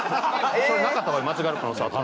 それなかった場合間違える可能性あった？